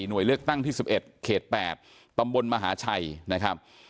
เลือกตั้งที่๑๑เขต๘ตำบลมหาชัยนะครับ